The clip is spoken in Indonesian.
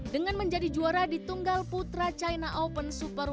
dengan menjadi juara di tunggal putra china open super